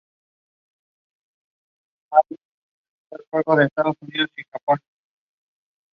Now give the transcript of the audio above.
La Colonia Española de Manzanillo donó el vítreo escamado de la majestuosa cúpula.